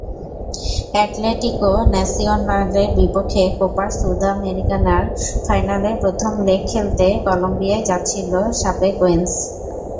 Atletico ন্যাসিওনালের বিপক্ষে Copa সুদামেরিকানার ফাইনালের প্রথম লেগ খেলতে কলম্বিয়ায় যাচ্ছিল শাপেকোয়েনস।